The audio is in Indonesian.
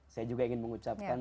saya juga ingin mengucapkan